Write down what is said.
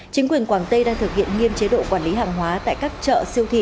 chính quyền quảng tây đang thực hiện nghiêm chế độ quản lý hàng hóa tại các chợ siêu thị